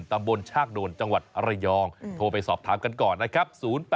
ตำบลชากโดนจังหวัดระยองโทรไปสอบถามกันก่อนนะครับ